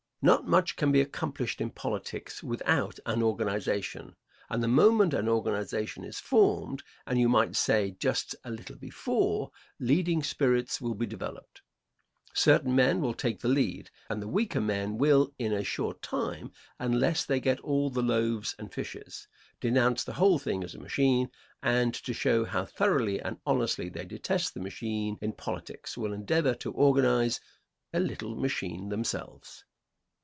Not much can be accomplished in politics without an organization, and the moment an organization is formed, and, you might say, just a little before, leading spirits will be developed. Certain men will take the lead, and the weaker men will in a short time, unless they get all the loaves and fishes, denounce the whole thing as a machine, and, to show how thoroughly and honestly they detest the machine in politics, will endeavor to organize a little machine themselves.